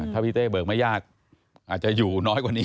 ถ้าพี่เต้เบิกไม่ยากอาจจะอยู่น้อยกว่านี้